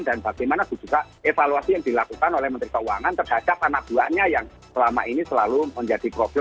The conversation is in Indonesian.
dan bagaimana juga evaluasi yang dilakukan oleh menteri keuangan terhadap anak buahnya yang selama ini selalu menjadi problem